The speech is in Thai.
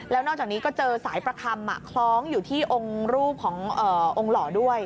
แล้วนอกจากนี้ก็เจอสายประคำคล้องอยู่ที่องค์รูปขององค์หล่อด้วย